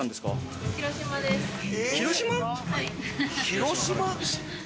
広島？